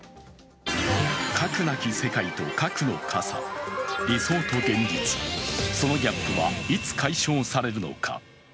核なき世界と核の傘、理想と現実、そのギャップはいつ解消されるのか。